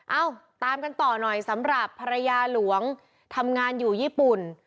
เอ้าตามกันต่อหน่อยสำหรับภรรยาหลวงทำงานอยู่ญี่ปุ่น